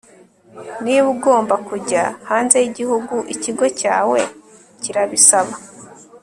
niba ugomba kujya hanze y'igihugu ikigo cyawe kirabisaba